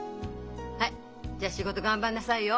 はいじゃあ仕事頑張んなさいよ。